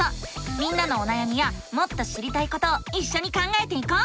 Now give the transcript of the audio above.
みんなのおなやみやもっと知りたいことをいっしょに考えていこう！